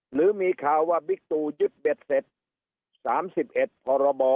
หรือมีข่าวว่าบิกตูยึดเบ็ดเสร็จสามสิบเอ็ดพรบ